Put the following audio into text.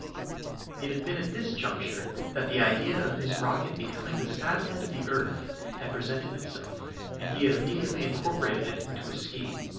It had been at this juncture that the idea of his rocket becoming the satellite of the earth had presented itself, and he had immediately incorporated it into his scheme.